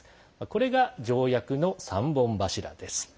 これが条約の３本柱です。